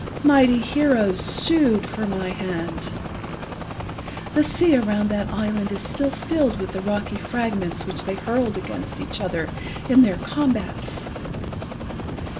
Mighty heroes sued for my hand. The sea around that island is still filled with the rocky fragments which they hurled against each other in their combats.